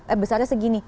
eh besarnya segini